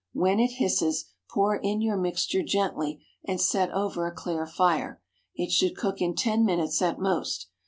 When it hisses, pour in your mixture gently and set over a clear fire. It should cook in ten minutes at most.